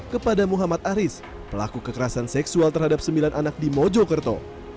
kepada muhammad aris pelaku kekerasan seksual terhadap sembilan anak di mojokerto